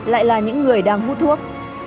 lại là những người đang hút thuốc